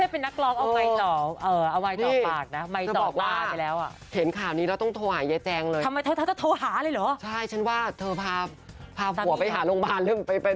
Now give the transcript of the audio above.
เป็นนักร้องสุภัณฑ์